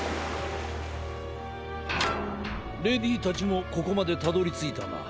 レディーたちもここまでたどりついたな。